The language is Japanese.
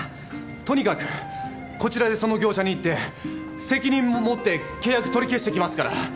とにかくこちらでその業者に行って責任持って契約取り消してきますから。